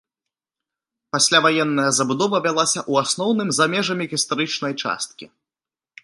Пасляваенная забудова вялася ў асноўным за межамі гістарычнай часткі.